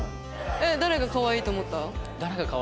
「誰がかわいいと思った」？